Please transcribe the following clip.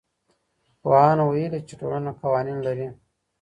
پوهانو ويلي چي ټولنه قوانين لري.